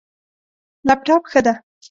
لپټاپ، ښه ده